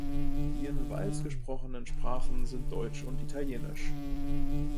Die in Vals gesprochenen Sprachen sind Deutsch und Italienisch.